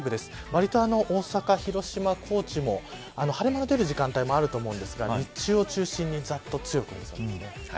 わりと大阪、広島、高知も晴れ間の出る時間帯もあると思うんですが日中を中心にざっと強く降りそうです。